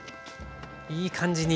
いい感じに。